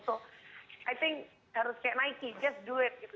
so i think harus kayak nike just do it